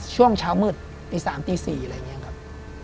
ช่วงเช้ามืดตี๓ตี๔อะไรอย่างนี้ครับ